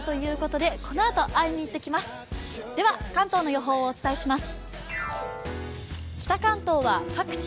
では関東の予報をお伝えします。